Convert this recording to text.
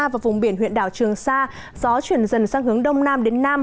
và vùng biển huyện đảo trường sa gió chuyển dần sang hướng đông nam đến nam